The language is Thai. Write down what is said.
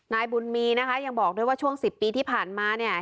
นายบุญมีนะคะยังบอกด้วยว่าช่วง๑๐ปีที่ผ่านมาเนี่ย